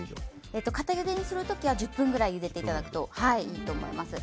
固ゆでにする時は１０分ぐらいゆでていただくといいと思います。